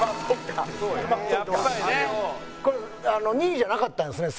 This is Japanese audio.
２位じゃなかったんですね。